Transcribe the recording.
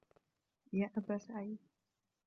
يَا أَبَا سَعِيدٍ